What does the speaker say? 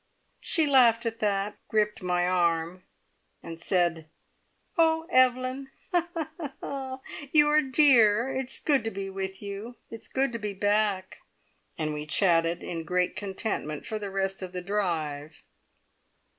She laughed at that, gripped my arm, and said: "Oh, Evelyn, you are a dear! It's good to be with you. It's good to be back." And we chatted in great contentment for the rest of the drive.